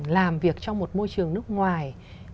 làm việc trong một môi trường nước ngoài